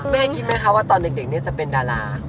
แม่คิดไหมคะว่าตอนเด็กเนี่ยจะเป็นดารา